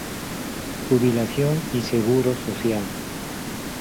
Jubilación y Seguro Social